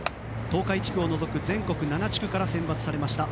東海地区を除く全国７地区から選抜されました。